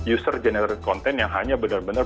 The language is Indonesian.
user generated content yang hanya bener bener